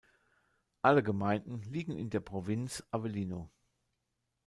Alle Gemeinden liegen in der Provinz Avellino.